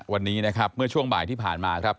วันนี้นะครับเมื่อช่วงบ่ายที่ผ่านมาครับ